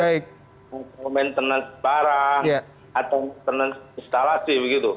maintenance barang atau maintenance instalasi begitu